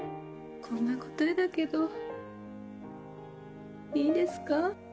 こんな答えだけどいいですか？